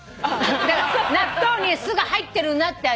だから納豆に酢が入ってるなって味。